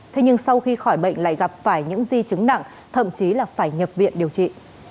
thế nhưng sau khi khỏi bệnh lại gặp phải những di chứng nặng thậm chí là phải nhập viện điều trị